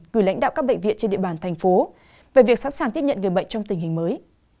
gửi lãnh đạo các bệnh viện trên địa bàn thành phố về việc sẵn sàng tiếp nhận người bệnh trong tình hình mới